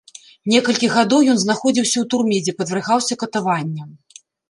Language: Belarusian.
Некалькі гадоў ён знаходзіўся ў турме, дзе падвяргаўся катаванням.